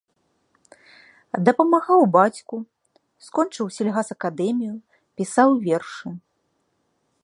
Дапамагаў бацьку, скончыў сельгасакадэмію, пісаў вершы.